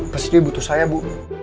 pasti butuh saya bu